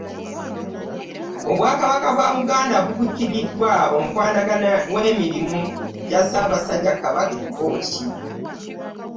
Obwakabaka bwa Buganda bukiikiriddwa omukwanaganya w'emirimu gya Ssaabasajja Kabaka e Kkooki